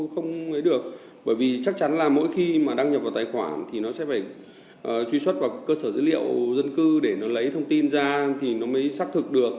không lấy được bởi vì chắc chắn là mỗi khi mà đăng nhập vào tài khoản thì nó sẽ phải truy xuất vào cơ sở dữ liệu dân cư để nó lấy thông tin ra thì nó mới xác thực được